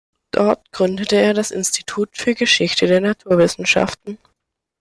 Dort gründete er das "Institut für Geschichte der Naturwissenschaften".